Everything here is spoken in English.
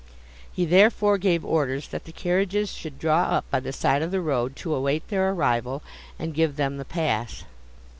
He, therefore, gave orders that the carriages should draw up by the side of the road, to await their arrival, and give them the pass.